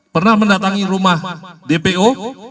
pernah mendatangi rumah dpo